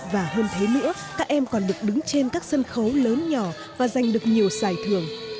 và hơn thế nữa các em còn được đứng trên các sân khấu lớn nhỏ và giành được nhiều giải thưởng